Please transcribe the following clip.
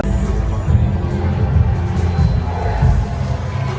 สโลแมคริปราบาล